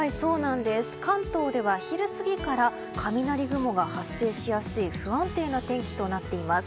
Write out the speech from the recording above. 関東では昼過ぎから雷雲が発生しやすい不安定な天気となっています。